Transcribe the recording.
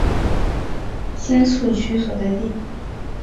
新宿区所在地。